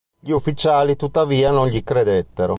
Gli ufficiali tuttavia non gli credettero.